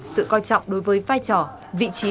sự quan trọng đối với vai trò vị trí